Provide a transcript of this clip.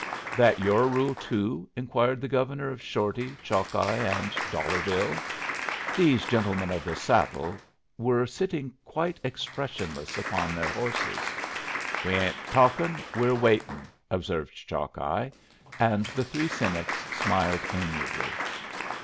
"That your rule, too?" inquired the Governor of Shorty, Chalkeye, and Dollar Bill. These gentlemen of the saddle were sitting quite expressionless upon their horses. "We ain't talkin', we're waitin'," observed Chalkeye; and the three cynics smiled amiably.